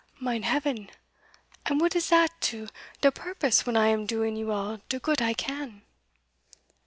"Mine heaven! and what is dat to de purpose when I am doing you all de goot I can?"